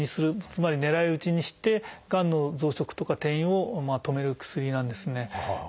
つまり狙い撃ちにしてがんの増殖とか転移を止める薬なんですね。